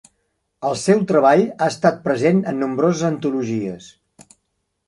El seu treball ha estat present en nombroses antologies.